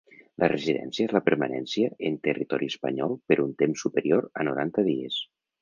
La residència és la permanència en territori espanyol per un temps superior a noranta dies.